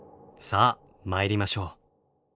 さあ参りましょう。